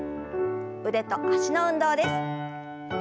腕と脚の運動です。